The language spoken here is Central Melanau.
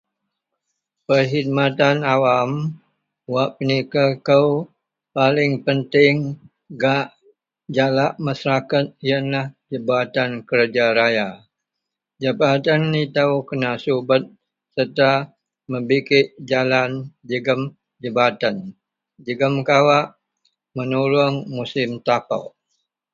Perkhidmatan awam wak penikir kou paling penting gak jalak masarakat yenlah Jabatan Kerja Raya. Jabatan itou kena subet sereta membikik jalan jegem jebaten. Jegem kawak menuluong musim tapok,